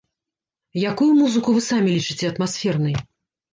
Якую музыку вы самі лічыце атмасфернай?